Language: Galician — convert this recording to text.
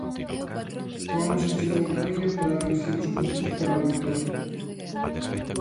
Tomamos este novo camiño para reducir os custos para o lector.